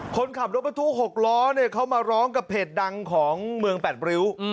คนขับรถแวะทุกหกล้อเนี่ยเขามาร้องกับเพจดังของมือแปอบริ้วอืม